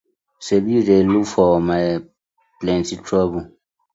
Sebi yu dey look for my plenty trouble.